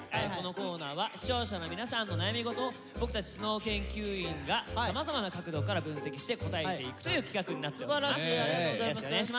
このコーナーは視聴者の皆さんの悩み事を僕たちＳｎｏｗ研究員がさまざまな角度から分析して答えていくという企画になっております。